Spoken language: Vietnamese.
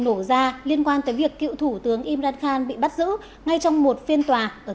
nổ ra liên quan tới việc cựu thủ tướng imran khan bị bắt giữ ngay trong một phiên tòa ở thủ đô islamabad